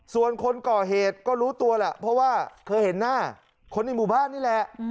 ส่วนคนก่อเหตุก็รู้ตัวแหละเพราะว่าเคยเห็นหน้าคนในหมู่บ้านนี่แหละ